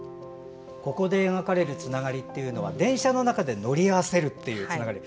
ここで描かれるつながりというのは電車の中で乗り合わせるというつながり。